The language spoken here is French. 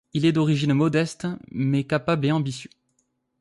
Il est d'origine modeste mais capable et ambitieux.